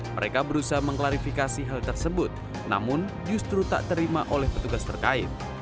mereka berusaha mengklarifikasi hal tersebut namun justru tak terima oleh petugas terkait